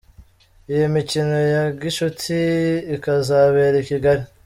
Iyi mikino ya gicuti ikazabera i Kigali.